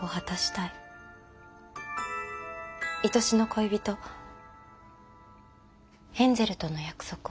いとしの恋人ヘンゼルとの約束を。